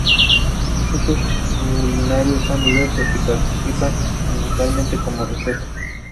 Sus usos culinarios son diversos y participan principalmente como refresco.